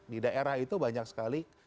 di daerah itu banyak sekali